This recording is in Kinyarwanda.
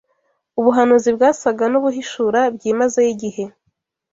Ubuhanuzi bwasaga n’ubuhishura byimazeyo igihe